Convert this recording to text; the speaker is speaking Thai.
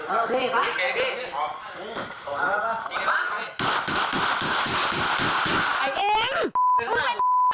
อีสเอ้ยมึงรับมาที่ดีทำไม